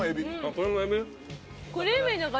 これもエビ？